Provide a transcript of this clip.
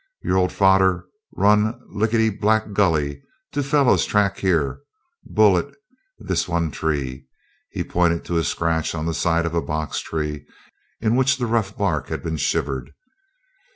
'Your old fader run likit Black Gully. Two fellow track here bullet longa this one tree.' Here he pointed to a scratch on the side of a box tree, in which the rough bark had been shivered.